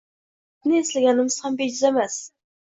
Biz bu hikmatni eslaganimiz ham bejiz emas